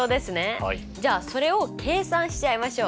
じゃあそれを計算しちゃいましょう。